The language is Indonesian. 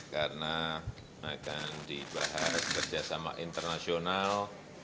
karena akan dibahas kerjasama internasional